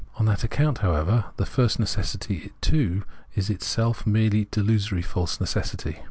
On that account, however, that first necessity too is itself a merely delusory false necessity.